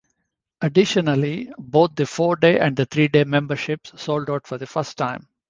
Additionally, both the four-day and three-day memberships sold out for the first time.